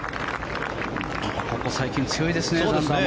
ここ最近強いですね。